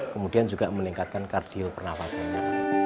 kemudian juga meningkatkan kardio pernafasannya